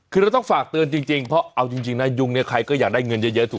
คือเราต้องฝากเตือนจริงเพราะเอาจริงนะยุงเนี่ยใครก็อยากได้เงินเยอะถูก